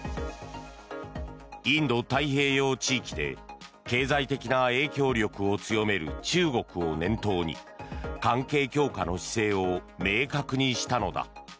インド太平洋地域で経済的な影響力を強める中国を念頭に関係強化の姿勢を明確にしたのだ。